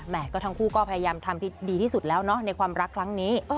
ก็ทั้งคู่ก็พยายามทำดีที่สุดแล้วเนอะในความรักครั้งนี้